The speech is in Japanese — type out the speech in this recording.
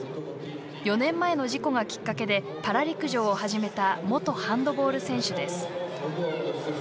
４年前の事故がきっかけでパラ陸上を始めた元ハンドボール選手です。